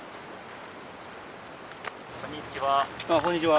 こんにちは。